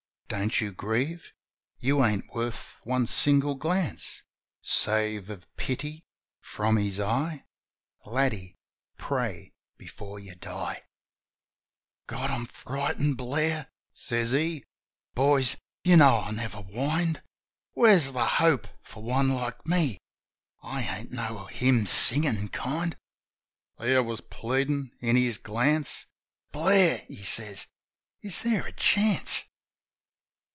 Don't you grieve. You ain't worth one single glance Save of pity from His eye. Laddie, pray before you die.'' THE REAPER IN THE BUSH 79 "God! I'm frightened, Blair!" says he ... "Boys, you know I never whined. ... Where's the hope for one like me? I ain't no hymn singin' kind." There was pleadin' in his glance: "Blair," he says, "is there a chance?"